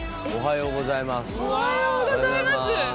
「おはようございます」。